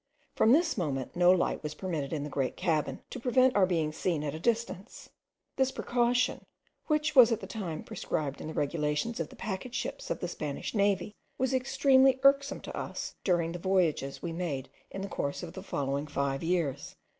From this moment no light was permitted in the great cabin, to prevent our being seen at a distance. This precaution, which was at the time prescribed in the regulations of the packet ships of the Spanish navy, was extremely irksome to us during the voyages we made in the course of the five following years.